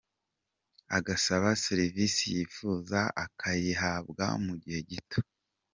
rw, agasaba serivise yifuza akayihabwa mu gihe gito.